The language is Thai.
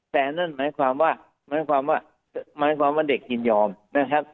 แต่นั่นหมายความว่าหมายความว่าเด็กยินยอมนะครับ